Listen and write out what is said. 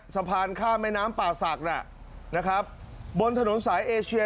สะพานข้ามแม่น้ำป่าศักดิ์น่ะนะครับบนถนนสายเอเชีย